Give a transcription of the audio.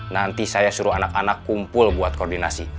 nanti saya suruh anak anak kumpul buat koordinasi